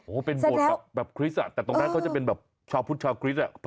โอ้โหเป็นโบสถ์แบบคริสต์แต่ตรงนั้นเขาจะเป็นแบบชาวพุทธชาวคริสต์